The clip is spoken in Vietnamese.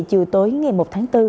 chiều tối ngày một tháng bốn